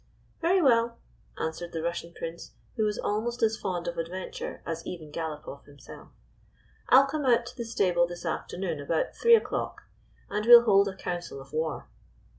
" Very well," answered the Russian Prince, who was almost as fond of adventure as even Galopoff himself. "I 'll come out to the stable this afternoon about three o'clock, and we 'll hold a council of war."